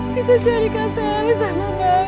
kita cari kasih saling sama sama nek